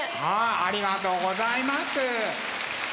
ありがとうございます。